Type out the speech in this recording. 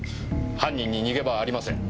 犯人に逃げ場はありません。